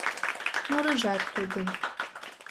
Мурыжат тудын.